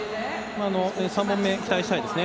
３本目、期待したいですね。